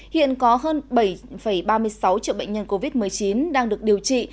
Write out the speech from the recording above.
hiện có hơn bảy ba mươi sáu triệu bệnh nhân covid một mươi chín đang được điều trị